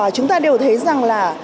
chúng ta đều thấy rằng là